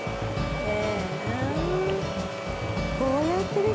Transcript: へえ。